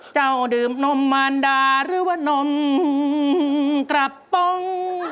เจ้าดื่มนมมารดาหรือว่านมกระป้อง